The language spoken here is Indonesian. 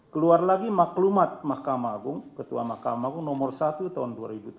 keluar lagi maklumat mahkamah agung ketua mahkamah agung nomor satu tahun dua ribu tujuh belas